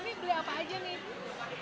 ini beli apa aja nih